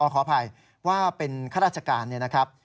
อ้อขออภัยว่าเป็นข้าราชการนะครับ